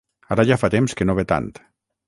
Ara ja fa temps que no ve tant.